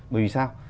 bởi vì sao